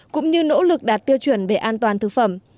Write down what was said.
cũng như nỗ lực đạt tiêu chuẩn về an toàn thực phẩm